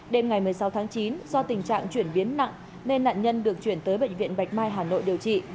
đêm ngày một mươi sáu tháng chín do tình trạng chuyển biến nặng nên nạn nhân được chuyển tới bệnh viện bạch mai hà nội điều trị